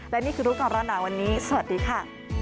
และนี่คือรุกรณะวันนี้สวัสดีค่ะ